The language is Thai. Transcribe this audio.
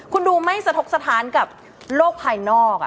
คุณดูไม่สะทกสถานกับโลกภายนอก